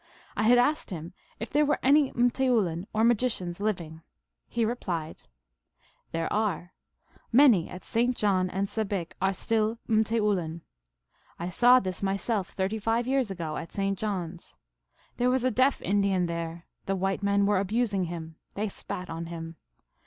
I had asked him if there were any m tSoulin, or magicians, living. He replied : "There are. Many at St. John and Sebayk are still m teoulin. I saw this myself thirty five years ago at St. John s. There was a deaf Indian there. The white men were abusing him. They spat on him.